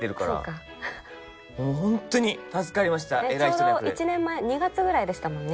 ちょうど１年前２月ぐらいでしたもんね